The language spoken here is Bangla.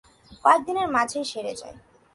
কয়েকদিনের মাঝেই সেরে যায়।